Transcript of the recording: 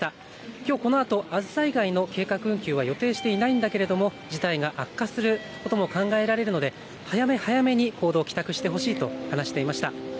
きょうこのあとあずさ以外の計画運休は予定していないんだけれども事態が悪化することも考えられるので早め早めに行動、帰宅してほしいと話していました。